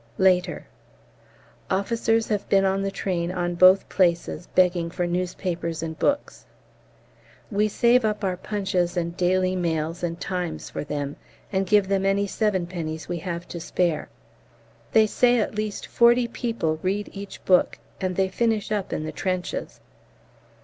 Later. Officers have been on the train on both places begging for newspapers and books. We save up our 'Punches' and 'Daily Mails' and 'Times' for them, and give them any Sevenpennies we have to spare. They say at least forty people read each book, and they finish up in the trenches.